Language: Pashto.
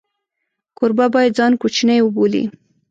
کوربه باید ځان کوچنی وبولي.